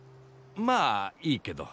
まあいいけど。